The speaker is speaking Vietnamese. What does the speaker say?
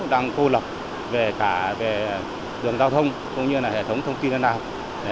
đang cô lập về cả đường giao thông cũng như hệ thống thông tin liên lạc